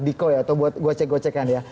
diko ya atau buat gocek gocekan ya